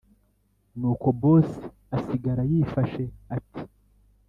nuko boss asigara yifashe ati